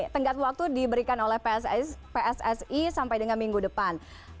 tenggat waktu diberikan oleh pssi sampai dengan minggu depan